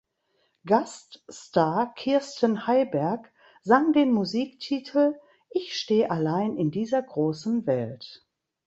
Gaststar Kirsten Heiberg sang den Musiktitel „Ich steh allein in dieser großen Welt“.